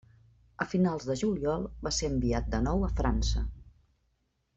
A finals de juliol va ser enviat de nou a França.